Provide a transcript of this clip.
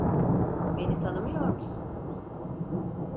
Beni tanımıyor musun?